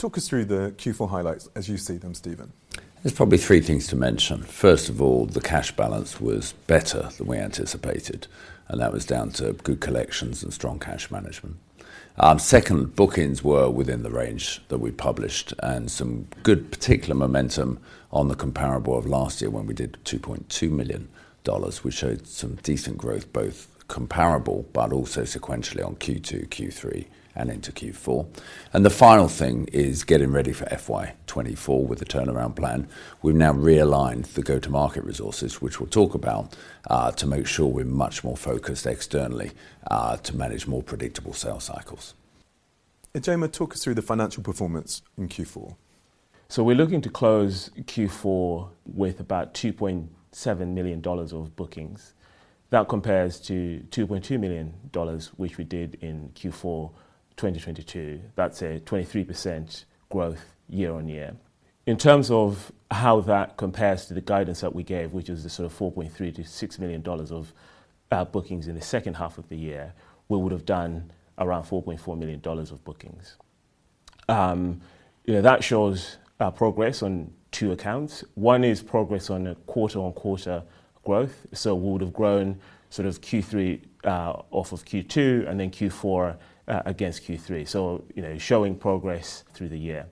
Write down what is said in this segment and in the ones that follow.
Talk us through the Q4 highlights as you see them, Stephen? There's probably three things to mention. First of all, the cash balance was better than we anticipated, and that was down to good collections and strong cash management. Second, bookings were within the range that we published, and some good particular momentum on the comparable of last year, when we did $2.2 million, which showed some decent growth, both comparable but also sequentially on Q2, Q3, and into Q4. The final thing is getting ready for FY24 with a Turnaround Plan. We've now realigned the go-to-market resources, which we'll talk about, to make sure we're much more focused externally, to manage more predictable sales cycles. Ijeoma, talk us through the financial performance in Q4. So we're looking to close Q4 with about $2.7 million of bookings. That compares to $2.2 million, which we did in Q4 2022. That's a 23% growth year-on-year. In terms of how that compares to the guidance that we gave, which was the sort of $4.3-$6 million of bookings in the second half of the year, we would've done around $4.4 million of bookings. You know, that shows progress on two accounts. One is progress on a quarter-on-quarter growth, so we would've grown sort of Q3 off of Q2, and then Q4 against Q3, so you know, showing progress through the year.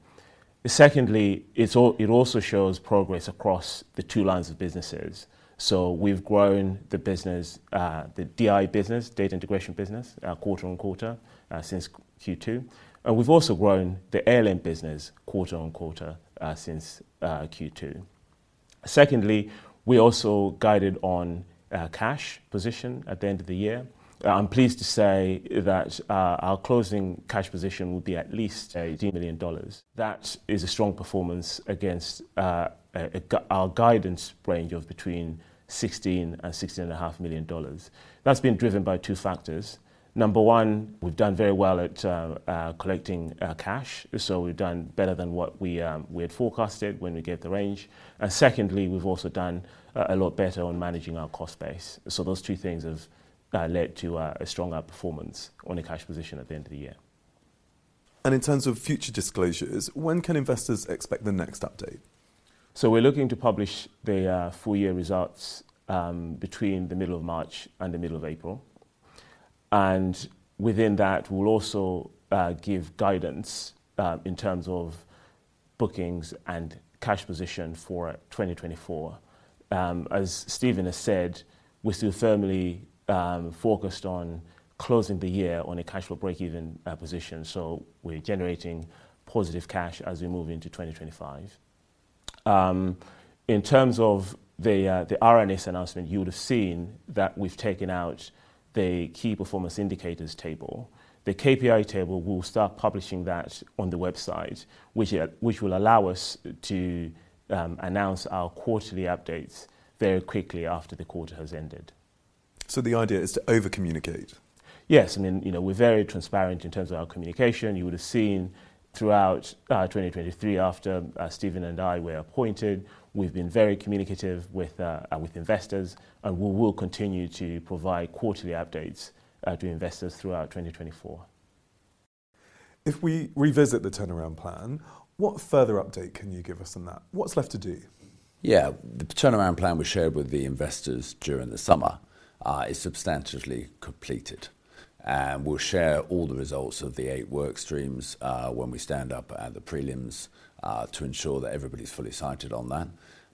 Secondly, it's also shows progress across the two lines of businesses. So we've grown the business, the DI business, Data Integration business, quarter on quarter, since Q2, and we've also grown the ALM business quarter on quarter, since Q2. Secondly, we also guided on our cash position at the end of the year. I'm pleased to say that our closing cash position will be at least $18 million. That is a strong performance against our guidance range of between $16 million and $16.5 million. That's been driven by two factors. Number one, we've done very well at collecting cash, so we've done better than what we had forecasted when we gave the range. And secondly, we've also done a lot better on managing our cost base. So those two things have led to a stronger performance on the cash position at the end of the year. In terms of future disclosures, when can investors expect the next update? So we're looking to publish the full year results between the middle of March and the middle of April, and within that, we'll also give guidance in terms of bookings and cash position for 2024. As Stephen has said, we're still firmly focused on closing the year on a cash flow breakeven position, so we're generating positive cash as we move into 2025. In terms of the RNS announcement, you would've seen that we've taken out the key performance indicators table. The KPI table, we'll start publishing that on the website, which will allow us to announce our quarterly updates very quickly after the quarter has ended. The idea is to over-communicate? Yes. I mean, you know, we're very transparent in terms of our communication. You would've seen throughout 2023, after Stephen and I were appointed, we've been very communicative with investors, and we will continue to provide quarterly updates to investors throughout 2024. If we revisit the Turnaround Plan, what further update can you give us on that? What's left to do? Yeah. The Turnaround Plan we shared with the investors during the summer is substantially completed. And we'll share all the results of the eight work streams when we stand up at the prelims to ensure that everybody's fully sighted on that.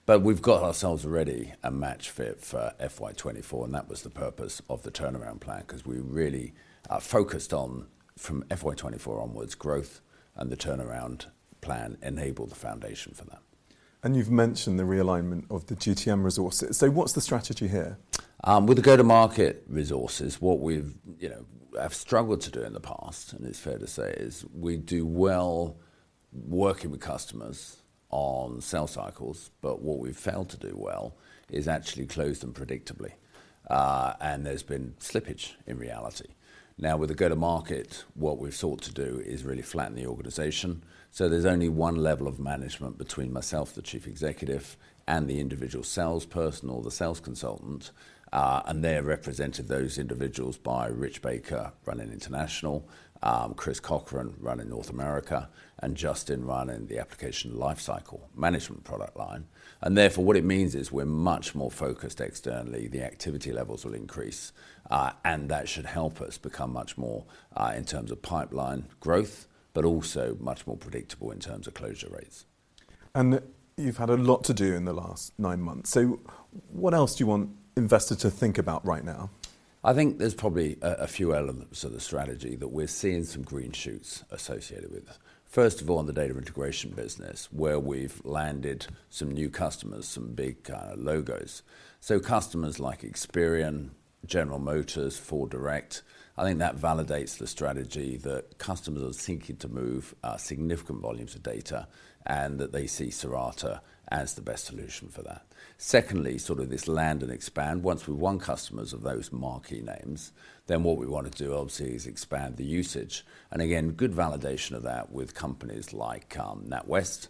But we've got ourselves already a match fit for FY 2024, and that was the purpose of the Turnaround Plan, 'cause we're really focused on, from FY 2024 onwards, growth, and the Turnaround Plan enabled the foundation for that. You've mentioned the realignment of the GTM resources. What's the strategy here? With the go-to-market resources, what we've, you know, have struggled to do in the past, and it's fair to say, is we do well working with customers on sales cycles, but what we've failed to do well is actually close them predictably. And there's been slippage, in reality. Now, with the go-to-market, what we've sought to do is really flatten the organization, so there's only one level of management between myself, the Chief Executive, and the individual salesperson or the sales consultant, and they're represented, those individuals, by Rich Baker running international, Chris Cochran running North America, and Justin running the Application Lifecycle Management product line. And therefore, what it means is we're much more focused externally. The activity levels will increase, and that should help us become much more, in terms of pipeline growth, but also much more predictable in terms of closure rates. You've had a lot to do in the last nine months. What else do you want investors to think about right now? I think there's probably a few elements of the strategy that we're seeing some green shoots associated with. First of all, in the data integration business, where we've landed some new customers, some big logos, so customers like Experian, General Motors, FordDirect, I think that validates the strategy that customers are seeking to move significant volumes of data and that they see Cirata as the best solution for that. Secondly, sort of this land and expand. Once we've won customers of those marquee names, then what we want to do, obviously, is expand the usage, and again, good validation of that with companies like NatWest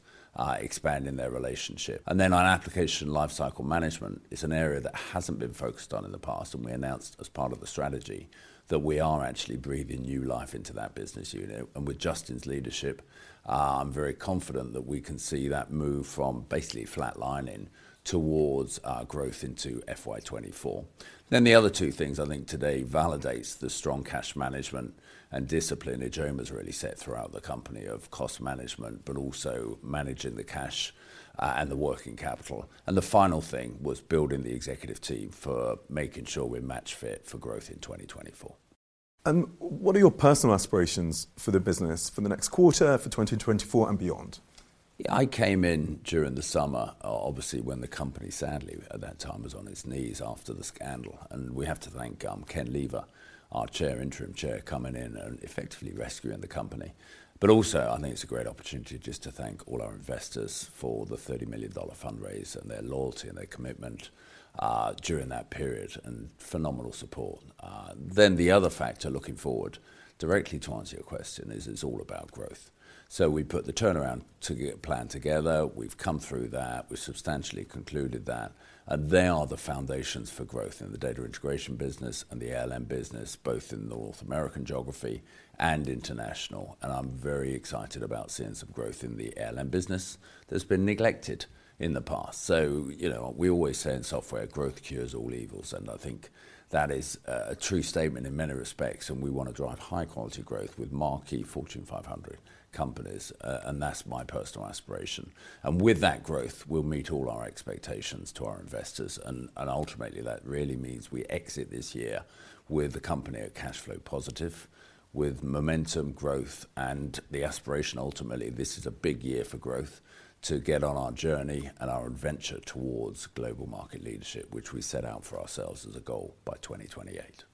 expanding their relationship. And then on application lifecycle management, it's an area that hasn't been focused on in the past, and we announced as part of the strategy that we are actually breathing new life into that business unit. With Justin's leadership, I'm very confident that we can see that move from basically flatlining towards, growth into FY 2024. Then the other two things I think today validates the strong cash management and discipline Ijeoma's really set throughout the company of cost management, but also managing the cash, and the working capital. And the final thing was building the executive team for making sure we're match fit for growth in 2024. What are your personal aspirations for the business for the next quarter, for 2024 and beyond? Yeah, I came in during the summer, obviously, when the company, sadly, at that time, was on its knees after the scandal. We have to thank Ken Lever, our chair, interim chair, coming in and effectively rescuing the company. But also, I think it's a great opportunity just to thank all our investors for the $30 million fundraise and their loyalty and their commitment during that period, and phenomenal support. Then the other factor, looking forward, directly to answer your question, is it's all about growth. We put the turnaround plan together. We've come through that. We've substantially concluded that, and they are the foundations for growth in the data integration business and the ALM business, both in North America and International. I'm very excited about seeing some growth in the ALM business that's been neglected in the past. So, you know, we always say in software, growth cures all evils, and I think that is a true statement in many respects, and we want to drive high-quality growth with marquee Fortune 500 companies. And that's my personal aspiration. And with that growth, we'll meet all our expectations to our investors, and ultimately, that really means we exit this year with the company at cash flow positive, with momentum, growth, and the aspiration, ultimately, this is a big year for growth, to get on our journey and our adventure towards global market leadership, which we set out for ourselves as a goal by 2028.